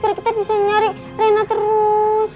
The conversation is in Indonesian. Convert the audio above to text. biar kita bisa nyari rena terus